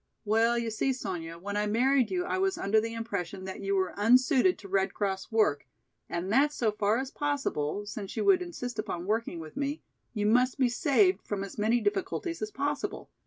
"Well, you see, Sonya, when I married you I was under the impression that you were unsuited to Red Cross work and that so far as possible, since you would insist upon working with me, you must be saved from as many difficulties as possible.